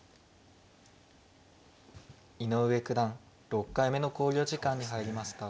井上九段６回目の考慮時間に入りました。